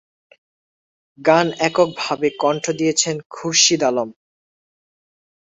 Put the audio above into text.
গানে এককভাবে কণ্ঠ দিয়েছেন খুরশিদ আলম।